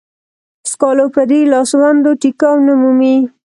سکالو پردې لاسوندو ټيکاو نه مومي.